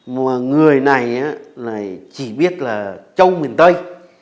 mà người này chỉ biết là châu miền tây